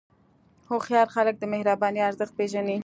هوښیار خلک د مهربانۍ ارزښت پېژني.